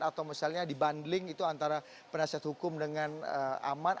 atau misalnya dibundling itu antara penasihat hukum dengan aman